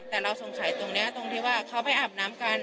แต่เราสงสัยตรงนี้ตรงที่ว่าเขาไปอาบน้ำกัน